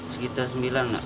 sekitar sembilan kak